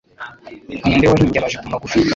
Ninde wahimbye amajipo magufi?